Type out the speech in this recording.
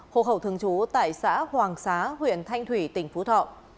hồ khẩu thương chú tại xã hoàng xá huyện thanh thủy tỉnh phú thọ